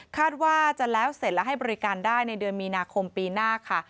คาดว่าจะแล้วเสร็จและให้บริการได้ในเดือนมีนาคมปีหน้าค่ะ